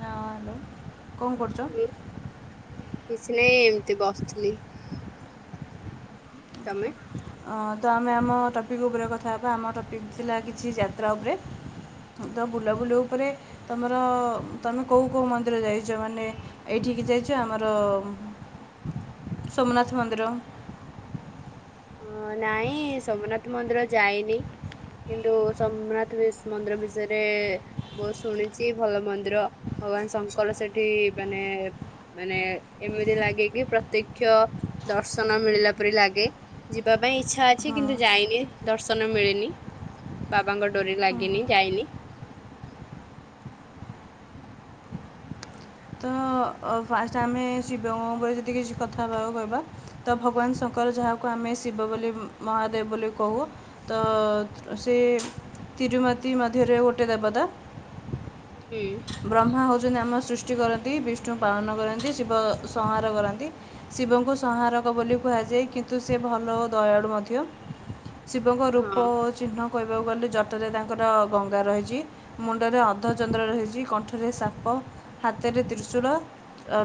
ନଲ ହଁ କିଛି ନାଇଁ। ତେ ବସିଥିଲି। ସମୟ ତ ଆମେ ଆମ ଟପିକ୍ ଉପରେ କଥା ହେବା ଆମ ଟପିକ୍ ଥିଲା କିଛି ଯାତ୍ରା ଉପରେ ତ ବୁଲାବୁଲି ଉପରେ ତୁମର ତୁମେ କେଉ କେଉଁ ମନ୍ଦିର ଯାଇଛ ମାନେ ଏଇଠିକି ଯାଇଛ ଆମର ସୋମନାଥ ମନ୍ଦିର ହଁ ନାଇଁ ସୋମନାଥ ମନ୍ଦିର ଯାଇନି କିନ୍ତୁ ସୋମନାଥ ମନ୍ଦିର ବିଷୟରେ ବହୁତ ଶୁଣିଛି ଭଲ ମନ୍ଦିର ଭଗବାନ ଶଙ୍କର ସେଠି ମାନେ ମାନେ ଏମିତି ଲାଗେ କି ପ୍ରତ୍ୟକ୍ଷ ଦର୍ଶନ ମିଳିଲା ପରି ଲାଗେ। ଯିବା ପାଇଁ ଇଚ୍ଛା ଅଛି ହଁ କିନ୍ତୁ ଯାଇନି ଦର୍ଶନ ମିଳିନି ବାବାଙ୍କ ଡୋରି ଲାଗିନି ଯାଇନି ଫ ଆମେ ଶିବଙ୍କରେ ଯଦି କିଛି କଥାବା କହିବା ତ ଭଗବାନ ଶଙ୍କର ଯାହାକୁ ଆମେ ଶିବ ବୋଲି ମହାଦେବ ବୋଲି କହୁ ତ ସେ ତିରୁମତି ମଧ୍ୟରେ ଗୋଟେ ହୁଁ ବ୍ରହ୍ମା ହ ଯେଉଁ ନାମ ସୃଷ୍ଟି କରନ୍ତି ବିଷ୍ଣୁ ପାଳନ କରନ୍ତି ଶିବ ସଂହାର କରନ୍ତି ଶିବଙ୍କୁ ସଂହାରକ ବୋଲି କୁହାଯାଏ କିନ୍ତୁ ସେ ଭଲ ଦୟାଳୁ ମଧ୍ୟ ଶିବଙ୍କ ହଁ ରୂପ ଚିହ୍ନ କହିବାକୁ ଗଲି ଜଟରେ ତାଙ୍କର ଗଙ୍ଗା ରହିଛି ମୁଣ୍ଡରେ ଅଧ ଚନ୍ଦ୍ର ରହିଛି। କଣ୍ଠରେ ସାପ ହାତରେ ତ୍ରିଶୂଳ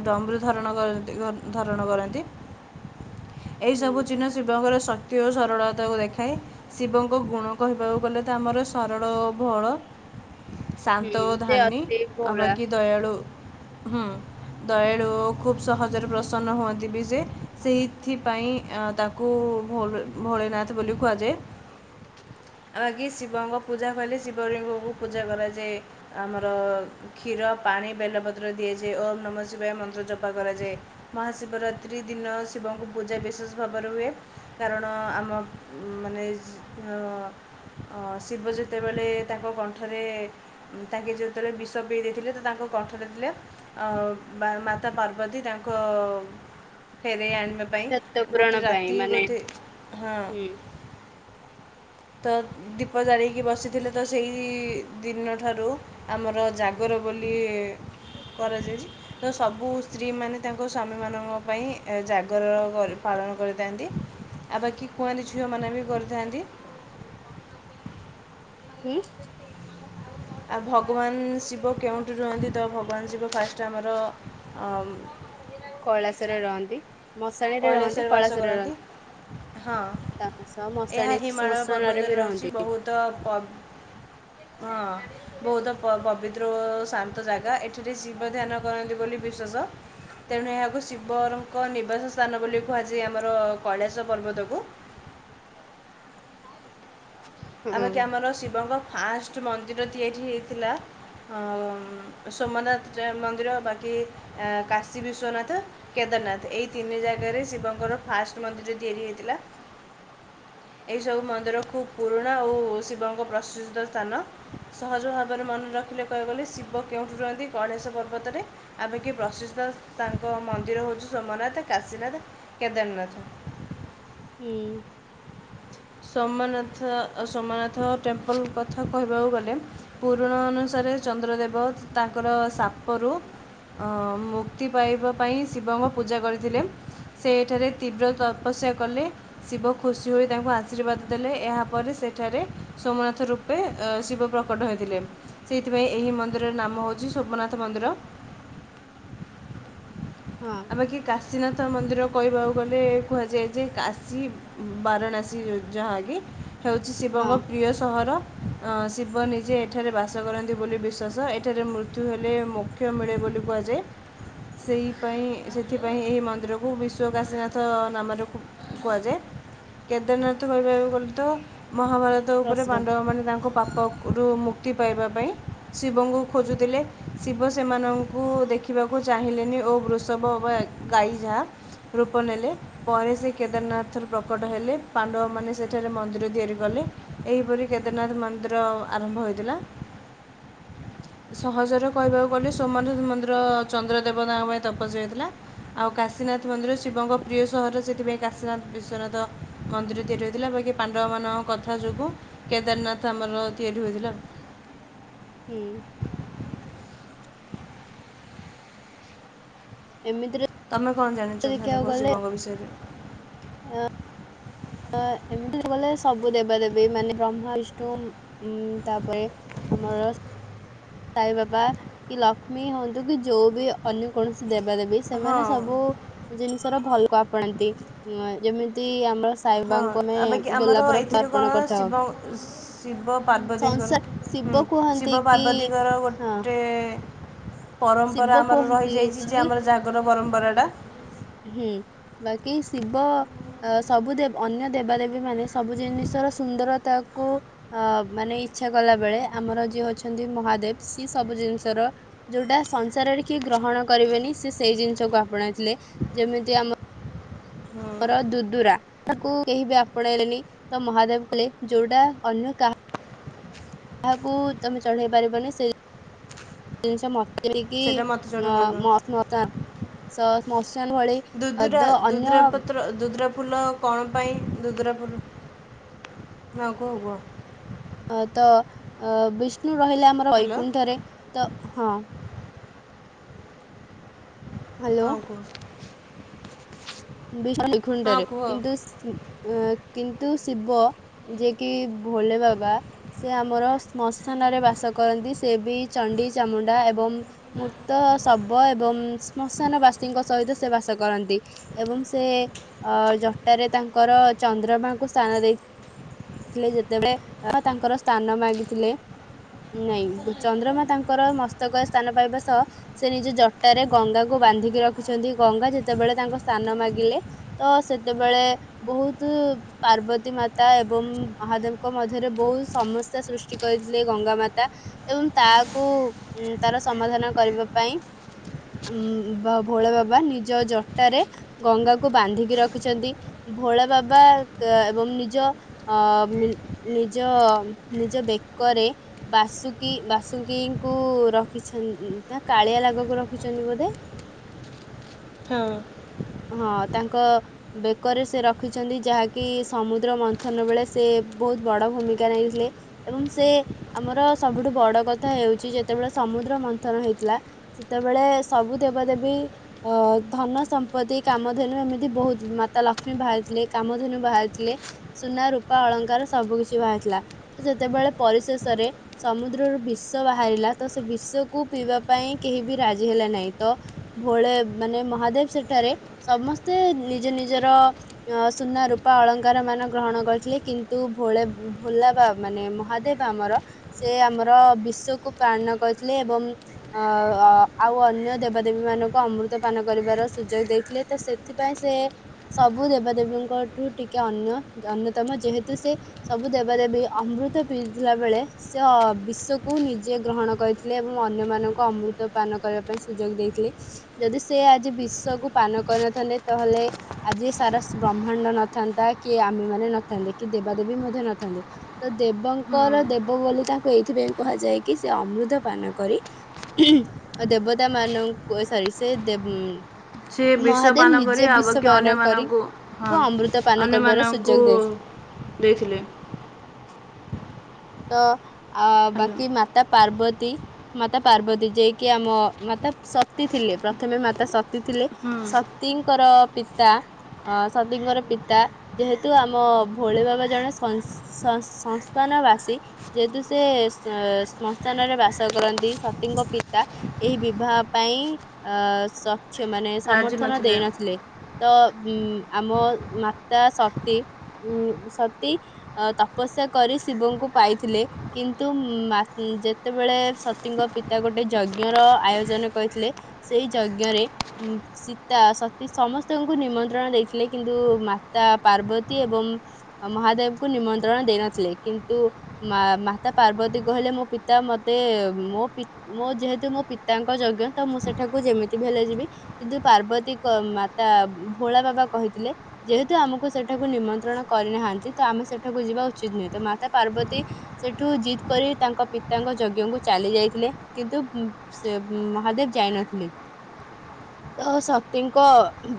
ଡମ୍ବରୁ ଧରଣ ଡମ୍ବରୁ ଧରଣ କରନ୍ତି। ଏହି ହୁଁ ସବୁ ଚିହନ ଶିବଙ୍କର ଶକ୍ତି ଓ ସରଳତାକୁ ଦେଖାଏ ଶିବଙ୍କ ଗୁଣ କହିବାକୁ ଗଲେ ତ ଆମର ସରଳ ଓ ବଳ ହୁଁ ଶାନ୍ତୋ ସେ ଧାନି ଅତି ଭୋଳା ଆକି ଦୟଳୁ ହୁଁ ଦୟାଳୁ ଖୁବ ସହଜରେ ପ୍ରସନ୍ନ ହୁଅନ୍ତି ବି ସେ ସେଇଥିପାଇଁ ତାକୁ ଭ ଭୋଳିନାଥ ବୋଲି କୁହାଯାଏ ଆଉ ଆଗ ଶିବଙ୍କ ପୂଜା କହିଲେ ଶିବଲିଙ୍ଗକୁ ପୂଜା କରାଯାଏ ଆମର କ୍ଷୀର ପାଣି ବେଲପତ୍ର ଦିଆଯାଏ ଓମ୍ ନମ ଶିବା ମନ୍ତ୍ର ଜପା କରାଯାଏ ମହାଶିବରାତ୍ରି ଦିନ ଶିବଙ୍କୁ ପୂଜା ବିଶେଷ ଭାବରେ ହୁଏ କାରଣ ଆମ ମାନେ ଶିବ ଯେତେବେଳେ ତାଙ୍କ କଣ୍ଠରେ ତାଙ୍କେ ଯେତେବେଳେ ସବଇ ଦେଇଥିଲେ ତ ତାଙ୍କ କଣ୍ଠରେ ଥିଲେ ମାତା ପାର୍ବତୀ ତାଙ୍କ ଫେରୋଇ ଆଣି ପାଇଁ ସତ୍ୟ ପୂରଣ ଗୋଟେ ପାଇଁ ରାତି ମାନେ ବୋଧେ ହଁ ହୁଁ। ତ ଦୀପ ଜାଳିକି ବସିଥିଲେ ତ ସେଇ ଦିନାରୁମ ଜାଗର ବୋଲି କରାଯାଇଛି ତ ସବୁ ସ୍ତ୍ରୀମାନେ ତାଙ୍କ ସ୍ୱାମୀମାନଙ୍କ ପାଇଁ ଜାଗର କରି ପାଳନ କରିଥାନ୍ତି ଆଉ ବାକି କୁଆଁରୀ ଝିଅମାନେ ବି କରିଥାନ୍ତି। [inaudible] ଆଉ ଭଗବାନ ଶିବ କେଉଁଠି ରୁହନ୍ତି ତ ଭଗବାନ ଶିବ ଫାଷ୍ଟ ଆମର କୈଳାସରେ ରହନ୍ତି। ମଶାଣିୀରେ ରହନ୍ତି କୈଳାସରେ ବାସ କୈଳାଶ୍ୱରରେ କରନ୍ତି ରହନ୍ତି ହଁ ତା ସହ ଏହା ମଶାଣି ହିମାଳୟ ଶ୍ମଶାନରେ ପର୍ବତରେ ବି ରହିଛି ରହନ୍ତି। ବହୁତ ହଁ ବହୁତ ପବିତ୍ର ଓ ଶାନ୍ତ ଜାଗା ଏଠରେ ଶିବ ଧ୍ୟାନ କରନ୍ତି ବୋଲି ବିଶ୍ୱାସ ତେଣୁ ଏହାକୁ ଶିବଙ୍କ ନିବାସ ସ୍ଥାନ ବୋଲି କୁହାଯାଏ ଆମର କୈଳାସ ପର୍ବତକୁ ହୁଁ। ଆପଖେ ଆମର ଶିବଙ୍ଗ ଫାଷ୍ଟ ମନ୍ଦିର ତିଆରି ହେଇଥିଲା ସୋମନାଥ ମନ୍ଦିର ବାକି କାଶୀ ବିଶ୍ୱନାଥ କେଦାରନାଥ ଏହିଇ ତିନି ଜାଗାରେ ଶିବଙ୍କର ଫାଷ୍ଟ ମନ୍ଦିର ତିଆରି ହୋଇଇଥିଲା ଏହିଇସବୁ ମନ୍ଦିର ଖୁବ୍ ପୁରୁଣା ଓଉ ଶିବଙ୍କ ପ୍ରସିଦ୍ଧ ସ୍ଥାନ ସହଜ ଭାବରେ ମନେ ରଖିଲେ କହିବାକୁ ଗଲେ ଶିବ କେଉଁଠି ରୁହନ୍ତି ଗଣେଶ ପର୍ବତରେ ଆମେ କି ପ୍ରସିଦ୍ଧ ତାଙ୍କ ମନ୍ଦିର ହେଉଛି। ସୋମନାଥ କାଶୀନାଥ କେଦିନରେଛ ହୁଁ ସୋମନାଥ ସୋମନାଥ ଟେମ୍ପଲ କଥା କହିବାକୁ ଗଲେ ପୁରୁଣା ଅନୁସାରେ ଚନ୍ଦ୍ରଦେବ ତାଙ୍କର ସାପରୁ ମୁକ୍ତି ପାଇବା ପାଇଁ ଶିବଙ୍କ ପୂଜା କରିଥିଲେ ସେ ଏଠାରେ ତୀବ୍ର ତପସ୍ୟା କଲେ ଶିବ ଖୁସି ହୋଇ ତାଙ୍କୁ ଆସି ଆଶୀର୍ବାଦ ଦେଲେ ଏହାପରେ ସେଠାରେ ସୋମନାଥ ରୂପ ପ ଶିବ ପ୍ରକଟ ହୋଇଥିଲେ ସେଇଥିପାଇଁ ଏହି ମନ୍ଦିରର ନାମ ହେଉଛି ସୋମନାଥ ସମନ୍ଦ୍ର ହଁ ଆଉ ବାକି କାଶୀନାଥ ମନ୍ଦିର କହିବାକୁ ଗଲେ କୁହାଯାଏ ଯେ କାଶୀ ବାରାଣାସୀ ଯାହାକେ ହେଉଛି ଶିବଙ୍କ ହଁ ପ୍ରିୟ ସହର ଅ ଶିବ ନିଜେ ଏଠାରେ ବାସ କରନ୍ତି ବୋଲି ବିଶ୍୍ୱାସ ଏଠାରେ ମୃତ୍ୟୁ ହେଲେ ମୋକ୍ଷ ମିଳେ ବୋଲି କୁହାଯାଏ ସେଇ ଥି ପାଇଁାଇ ସେଥିପାଇଁ ଏହି ମନ୍ଦିରକୁ ବିଶ୍ୱକାାଶୀନାଥ ନାମରେ କୁହାଯାଏ କେଦାରନାଥ କହିବାକୁ ଗଲେ ତ ମହାଭାରତ ଉପରେ ପ୍ରସିଦ୍ଧ ପାଣ୍ଡବମାନେ ତାଙ୍କୁ ପାପରୁ ମୁକ୍ ମୁକ୍ତି ପାଇବା ପାଇଁ ଶିବଙ୍କୁ ଖୋଜୁଥିଲେ ଶିବ ସେମାନଙ୍କୁ ଦେଖିବାକୁ ଚାହିଁଲେନି ଓ ବୃଷଭ ବା ଗାଈ ଯାହା ରୂପ ନେଲେ ପରେ ସେ କେଦାରନାଥର ପ୍ରକଟ ହେଲେ ପାଣ୍ଡବମାନେ ସେଠାରେ ମନ୍ଦିର ତିଆରି କଲେ ଏହିପରି କେଦାରନାଥ ମନ୍ଦିର ଆରମ୍ଭ ହୋଇଥିଲା। ସହଜରେ କହିବାକୁ ଗଲେ ସୋମନାଥ ମନ୍ଦିର ଚନ୍ଦ୍ର ଦେବ ନା ପଚାଇଥିଲା ଆଉ କାଶୀନାଥ ମନ୍ଦିର ଶିବ ଆମ ପ୍ରିୟ ସହରରେ ସେଥିପାଇଁ କାଶୀନାଥ ବିଶ୍ୱନାଥ ମନ୍ଦିର ତିଆରି ହୋଇଥିଲା ପାଣ୍ଡବମାନଙ୍କ କଥା ଯୋଗୁଁ କେଦାରନାଥ ଆମର ତିଆରି ହୋଇଥିଲା। ହୁଁ ଏମିତି ତୁମେ କଣ ଜାଣିଛଟକ ଶିବଙ୍କ ବିଷୟରେ ଅ ଏମିତି ଗଲେ ସବୁ ଦେବା ଦେେବୀ ମାନେ ବ୍ରହ୍ମା ବିଷ୍ଣୁ ଉଁ ତାପରେ ଆମର ସାଇ ବାପା କି ଲକ୍ଷ୍ମୀ ହୁଅନ୍ତୁ କି ଯୋଉ ବି ଅନ୍ୟ କୌଣସି ଦେବା ଦେବ ହଁ ସେମାନେ ସବୁ ଜିନିଷର ଭଲ ଆପଣାନ୍ତି ଯେମିତି ଆମର ହଁ ସାଇବାବାଙ୍କୁ ଆମେ ଆ ବାକି ଆମର ଗୋଲାପର ଫୁଲ ଏଥିରେ ଅର୍ପଣ କଣ କରିଥାଉ। ଶିବ ଶିବ ସଂସାର ପାର୍ବତୀଙ୍କରୁ ଶିବ କୁହନ୍ତି ଶିବ କି ପାର୍ବତୀଙ୍କର ର ହଁ ଗୋଟେ [inaudible] ପରମ୍ପରା ଶିବ ଆମର କୁହନ୍ତି ରହିଯାଇଛି ଛି ଯେ କି ଆମର ଜାଗର ପରମ୍ପରା ଟା ହୁଁ ବାକି ଶିବ ସବୁ ଦେବ ଅନ୍ୟ ଦେବାଦେବୀ ମାନେ ସବୁ ଜିନିଷର ସୁନ୍ଦରତା କୁ ଅ ମାନେ ଇଚ୍ଛା କଲା ବେଳେ ଆମର ଯିଏ ଅଛନ୍ତି ମହାଦେବ ସିଏ ସବୁ ଜିନିଷର ଯୋଉଟା ସଂସାରରେ କିଏ ଗ୍ରହଣ କରିବେନି ସେଏ ସେଇ ଜିନିଷକୁ ଆପଣେଇଥିଲେ। ଯେମିତି ଆମ ହୁଁ ଆମର ଦୁଦୁରା ତାକୁ କେହି ବି ଆପଣେଇଲେନି ତ ମହାଦେବ କହିଲେ ଯୋଉଟା ଅନ୍ୟ କାହା କାହାକୁ ତମେ ଚଢେଇ ପାରିବନି ସେ ଜିନିଷ ମ ଯେମିତି ସେଇଟା ମୋତେ କିି ଜଣେ ଅ କହିବ। ଶ୍ମଶାନ ଶ୍ମଶାନ ଭଳି ଦୁଦୁରା ଦ ଦୁଦୁରା ଅନ୍ୟ ପତ୍ର ଦୁଦୁରା ଫୁଲ କଣ ପାଇଁ ଦୁଦୁରା ଫୁଲ ଆଗୁକୁ ହୁବ ହ ତ ବି ରହିଲେ ଆମର ହ୍ୟାଲୋ ବୈକୁଣ୍ଠରେ ତ ହଁ ହ୍ୟାଲୋ ହଁ କୁହ। ବିଷ୍ଣୁ ହଁ କୁଣ୍ଡରେ କୁହ କିନ୍ତୁ କିନ୍ତୁ ଶିବ ଯିଏ କି ଭୋଲେ ବାବା ସେ ଆମର ଶ୍ମଶାନ ରେ ବାସ କରନ୍ତି ସେ ବି ଚଣ୍ଡି ଚାମୁଣ୍ଡା ଏବଂ ମୃତ ଶବ ଏବଂ ଶ୍ମଶାନ ବାସୀଙ୍କ ସହିତ ସେ ବାସ କରନ୍ତି। ଏବଂ ସେ ଅ ଜଟାରେ ତାଙ୍କର ଚନ୍ଦ୍ରମାଙ୍କୁ ସ୍ଥାନ ଦେଇଥିଲେ ଯେତେବେଳେ ତାଙ୍କର ସ୍ଥାନ ମାଗିଥିଲେ ନାଇଁ ଚନ୍ଦ୍ରମା ତାଙ୍କର ମସ୍ତକରେ ସ୍ଥାନ ପାଇବା ସହ ସେ ନିଜ ଜଟରେ ଗଙ୍ଗାକୁ ବାନ୍ଧିକି ରଖିଛନ୍ତି ଗଙ୍ଗା ଯେତେବେଳେ ତାଙ୍କ ସ୍ଥାନ ମାଗିଲେ ତ ସେତେବେଳେ ବହୁତ ପାର୍ବତୀ ମାତା ଏବଂ ମହାଦେବଙ୍କ ମଧ୍ୟରେ ବହୁତ ସମସ୍ୟା ସୃଷ୍ଟି କରିଥିଲେ ଗଙ୍ଗା ମାତା ଏବଂ ତାକୁ ତାର ସମାଧାନ କରିବା ପାଇଁ ଉ ଭୋଳ ବାବା ନିଜ ଜଟାରେ ଗଙ୍ଗାକୁ ବାନ୍ଧିକି ରଖିଛନ୍ତି ଭୋଳା ବାବା ଏବଂ ନିଜ ଅ ନିଜ ନିଜ ବେକରେ ବାସୁକି ବାସୁଙ୍କିଙ୍କୁ ରଖିଛ ନା କାଳିଆ ଲାଗକୁ ରଖିଛନ୍ତି ବୋଧେ। ହଁ। ହଁ ତାଙ୍କ ବେକରେ ସେ ରଖିଛନ୍ତି ଯାହାକି ସମୁଦ୍ର ମନ୍ଥନ ବେଳେ ସେ ବହୁତ ବଡ ଭୂମିକା ନେଇଥିଲେ ଏବଂ ସେ ଆମର ସବୁଠୁ ବଡ କଥା ହେଉଛି ଯେତେବେଳେ ସମୁଦ୍ର ମନ୍ଥନ ହେଇଥିଲା ସେତେବେଳେ ସବୁ ଦେବ ଦେବୀ ଅ ଧନ ସମ୍ ପତି କାମଧେନୁ ଏମିତି ବହୁତ ମାତା ଲକ୍ଷ୍ମୀ ବାହାରିଥିଲେ କାମଧେନୁ ବାହାରିଥିଲେ ସୁନା ରୂପା ଅଳଙ୍କାର ସବୁ କିଛି ବାହାରିଥିଲା ତ ଯେତେବେଳେ ପରିଶେଷରେ ସମୁଦ୍ରରୁ ବିଷ ବାହାରିଲା ତ ସେ ବିଷକୁ ପିଇବା ପାଇଁ କେହି ବି ରାଜି ହେଲା ନାହିଁ ତ ଭୋଳେ ମାନେ ମହାଦେବ ସେଠ ଠାରେ ସମସ୍ତେ ନିଜ ନିଜର ସୁନା ରୂପା ଅଳଙ୍କାର ମାନ ଗ୍ରହଣ କରିଥିଲେ କିନ୍ତୁ ଭୋ ଭୋଲା ବା ମାନେ ମହାଦେବ ଆମର ସେ ଆମର ବିଶକୁ ପାନ କରିଥିଲେ ଏବଂ ଅ ଆଉ ଅନ୍ୟ ଦେବାଦେବୀ ମାନଙ୍କୁ ଅମୃତ ପାନ କରିବାର ସୁଯୋଗ ଦେଇଥିଲେ ତ ସେଥିପାଇଁ ସେ ସବୁ ଦେବାଦେବୀଙ୍କ ଠୁ ଟିକେ ଅନ୍ୟ ଅନ୍ୟତମ ଯେହେତୁ ସେ ସବୁ ଦେବାଦେବୀ ଅମୃତ ପିଇଥିଲା ବେଳେ ସେ ଅ ବିଶକୁ ନିଜେ ଗ୍ରହଣ କରିଥିଲେ ଏବଂ ଅନ୍ୟମାନଙ୍କୁ ଅମୃତ ପାନ କରିବା ପାଇଁ ସୁଯୋଗ ଦେଇଥିଲେ ଯଦି ସେ ଆଜି ବିଶ ସବୁ ପାନ କରିନଥାନ୍ତେ ତାହେଲେ ଆଜି ସାରା ବ୍ରହ୍ମାଣ୍ଡ ନଥାନ୍ତା କି ଆମେ ମାନେ ନଥାନ୍ତେ କି ଦେବାଦେବୀ ମଧ୍ୟ ନଥାନ୍ତେ ତ ଦେବଙ୍କର ଦେବ ବୋଲି ତାଙ୍କୁ ଏଇଥିପାଇଁ କୁହାଯାଏ କି ସେ ଅମୃତ ପାନ କରି ଦେବତା ମାନଙ୍କୁ ସରି ସେ ଦେ ସେ ବିଷ ପାନ କରି ଆଉ ବାକି କରି ଅନ୍ୟମାନଙ୍କୁ ହଁ କୁ ଅମୃତ ପାନ କରିବାର ଅନ୍ୟମାନଙ୍କୁ ସୁଯୋଗ ଦେଇଥିଲେ ଦେଇଥିଲେ। ତ ଆ ହ୍ୟାଲୋ ବାକି ମାତା ପାର୍ବତୀ ମାତା ପାର୍ବତୀ ଯିଏକି ଆମ ମାତା ସତୀ ଥିଲେ ପ୍ରଥମେ ମାତା ସତୀ ଥିଲେ। ହୁଁ ସତୀଙ୍କର ପିତା ଅ ସତୀଙ୍କର ପିତା ଯେହେତୁ ଆମ ଭୋଳେ ବାବା ଜଣେ ସଂସ୍ଥାନ ବାସୀ ଯେହେତୁ ସେ ସଂସ୍ଥାନରେ ବାସ କରନ୍ତି ସତୀଙ୍କ ପିତା ଏହି ବିବାହ ପାଇଁ ଅ ସକ୍ଷ ମାନେ। ସମର୍ଥନ ଦେଇ ନଥିଲେ। ତ ଉ ଆମ ମାତା ସତୀ ଉ ସତୀ ତପସ୍ୟା କରି ଶିବଙ୍କୁ ପାଇଥିଲେ କିନ୍ତୁ ଯେତେବେଳେ ସତୀଙ୍କ ପିତା ଗୋଟେ ଯଜ୍ଞ ର ଆୟୋଜନ କରିଥିଲେ ସେଇ ଯଜ୍ଞରେ ସୀତା ସତୀ ସମସ୍ତଙ୍କୁ ନିମନ୍ତ୍ରଣ ଦେଇଥିଲେ କିନ୍ତୁ ମାତା ପାର୍ବତୀ ଏବଂ ମହାଦେବଙ୍କୁ ନିମନ୍ତ୍ରଣ ଦେଇନଥିଲେ କିନ୍ତୁ ମାତା ପାର୍ବତୀ କହିଲେ ମୋ ପିତା ମତେ ମୋ ମୋ ଯେହେତୁ ମୋ ପିତାଙ୍କ ଯଜ୍ଞ ତ ମୁଁ ସେଠାକୁ ଯେମିତି ବି ହେଲେ ଯିବି। କିନ୍ତୁ ପାର୍ବତୀ ମାତା ଭୋଳା ବାବା କହିଥିଲେ ଯେହେତୁ ଆମକୁ ସେଠାକୁ ନିମନ୍ତ୍ରଣ କରିନାହାନ୍ତି ତ ଆମେ ସେଠାକୁ ଯିବା ଉଚିତ ନୁହେଁ ତ ମାତା ପାର୍ବତୀ ସେଠୁ ଜିିତ କରି ତାଙ୍କ ପିତାଙ୍କ ଯଜ୍ଞଙ୍କୁ ଚାଲି ଯାଇଥିଲେ କିନ୍ତୁ ସେ ମହାଦେବ ଯାଇନଥିଲେ। ତ ସତୀଙ୍କ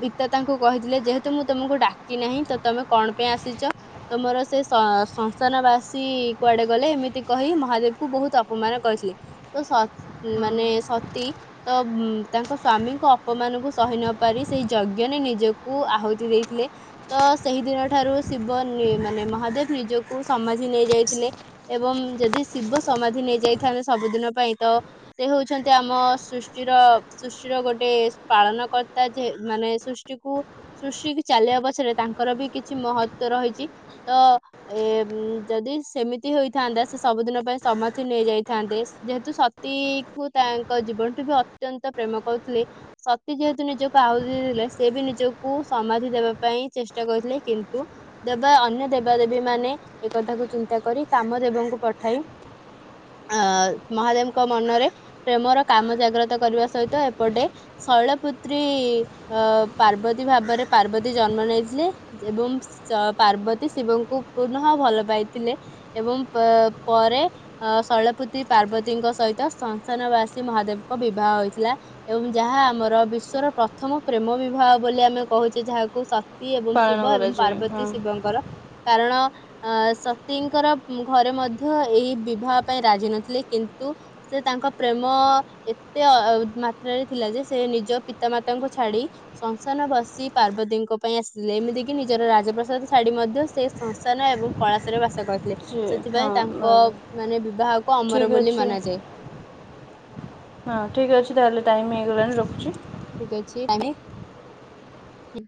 ପିତା ତାଙ୍କୁ କହିଥିଲେ ଯେହେତୁ ମୁଁ ତମକୁ ଡାକି ନାହିଁ ତ ତମେ କଣ ପାଇଁ ଆସିଛ ତମର ସେ ସଂସାନ ବାସୀ କୁଆଡେ ଗଲେ ଏମିତି କହି ମହାଦେବ କ ବହୁତ ଅପମାନ କରିଥିଲି ତ ମାନେ ସତୀ ତ ତାଙ୍କ ସ୍ଵାମୀଙ୍କ ଅପମାନଙ୍କୁ ସହି ନ ପାରି ସେଇ ଯଜ୍ଞନ ନିଜକୁ ଆହୁତି ଦେଇଥିଲେ ତ ସେହିଦିନ ଠାରୁ ଶିବ ମାନେ ମହାଦେବ ନିଜକୁ ସମାଧି ନେଇଯାଇଥିଲେ ଏବଂ ଯଦି ଶିବ ସମାଧି ନେଇଯାଇଥାନ୍ତେ ସବୁଦିନ ପାଇଁ ତ ସେ ହଉଛନ୍ତି ଆମ ସୃଷ୍ଟିର ସୃଷ୍ଟିର ଗୋଟେ ପାଳନ କର୍ତ୍ତା ଯେ ମାନେ ସୃଷ୍ଟିକୁ ସୃଷ୍ଟି ଚାଲିବା ପଛରେ ତାଙ୍କର ବି କିଛି ମହତଵ ରହିଛି ତ ଏ ଯଦି ସେମିତି ହେଇଥାନ୍ତା ସେ ସବୁଦିନ ପାଇଁ ସମାଧି ନେଇଯାଇଥାନ୍ତେ ଯେହେତୁ ସତୀକୁ ତାଙ୍କ ଜୀବନଠୁ ବି ଅତ୍ୟନ୍ତ ପ୍ରେମ କରୁଥିଲେ। ସତୀ ଯେହେତୁ ନିଜକୁ ଆହୁରିଥିଲେ ସେ ବି ନିଜକୁ ସମାଧି ଦେବା ପାଇଁ ଚେଷ୍ଟା କରିଥିଲେ କିନ୍ତୁ ଦେବା ଅନ୍ୟ ଦେବାଦେବୀ ମାନେ ଏକ କଥାକୁ ଚିନ୍ତା କରି କାମଦେବଙ୍କୁ ପଠାଇ ଅ ମହାଦେବଙ୍କ ମନରେ ପ୍ରେମର କାମ ଜାଗ୍ରତ କରିବା ସହିତ ଏପଟେ ଶୈଳପୁତ୍ରୀ ଅ ପାର୍ବତୀ ଭାବରେ ପାର୍ବତୀ ଜନ୍ମ ନେଇଥିଲେ ଏବଂ ପାର୍ବତୀ ଶିବଙ୍କୁ ପୁନଃ ଭଲ ପାଇଥିଲେ ଏବଂ ପରେ ଅ ଶୈଳପୁତ୍ରୀ ପାର୍ବତୀଙ୍କ ସହିତ ସଂସାନବାସୀ ମହାଦେବଙ୍କ ବିବାହ ହୋଇଥିଲା ଏବଂ ଯାହା ଆମର ବିଶ୍ଵର ପ୍ରଥମ ପ୍ରେମ ବିବାହ ବୋଲି ଆମେ କହୁଛେ ଯାହାକୁ। ଏବଂ ପାଳନ ଶିବ ଏବଂ କରାଯାଏ ହଁ ପାର୍ବତୀ ଶିବଙ୍କର। କାରଣ ଅ ସତୀଙ୍କର ଘରେ ମଧ୍ୟ ଏହି ବିବାହ ପାଇଁ ରାଜି ନଥିଲେ କିନ୍ତୁ ସେ ତାଙ୍କ ପ୍ରେମ ଏତେ ମାତ୍ରାରେ ଥିଲା ଯେ ସେ ନିଜ ପିତାମାତାଙ୍କୁ ଛାଡି ସଂସାନ ବସି ପାର୍ବତୀଙ୍କ ପାଇଁ ଆସିଥିଲେ ଏମିତିକି ନିଜର ରାଜପ୍ରସାଦ ଛାଡି ମଧ୍ୟ ସେ ସଂସାନ ଏବଂ କଳାସରେ ବାସ କରିଥିଲେ। ଥିଲେ ସେ ସେଥିପାଇଁ ତାଙ୍କ ହଁ ମାନେ ବିବାହକୁ ଅମର ଠିକ୍ ବୋଲି ଅଛି ମନାଯାଏ। ହଁ ଠିକ ଅଛି ତାହେଲେ ଟାଇମ ହେଇଗଲାଣି ରଖୁଛି। ଠିକ ଅଛି ଆମେ ହଁ।